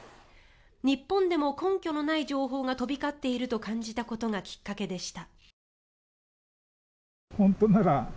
日本でも根拠のない情報が飛び交っていると感じたことがきっかけでした。